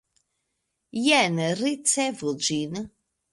Jen ricevu ĝin!